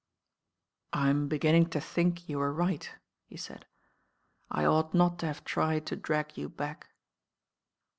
I m beginning to think you were right," he said. I ought not to have tried to drag you back."